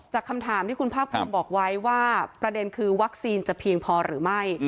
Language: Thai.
คำถามที่คุณภาคภูมิบอกไว้ว่าประเด็นคือวัคซีนจะเพียงพอหรือไม่